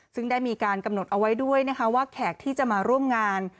ซึ่งได้มีการกำหนดเอาไว้ด้วยนะคะว่าแขกที่จะมาร่วมงาน